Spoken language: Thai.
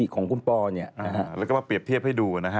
ก็มาเปรียบเทียบให้ดูอ่ะนะฮะ